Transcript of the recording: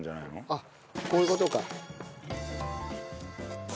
あっこういう事か。